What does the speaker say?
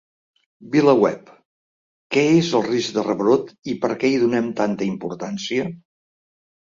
VilaWeb: Què és el risc de rebrot i per què hi donem tanta importància?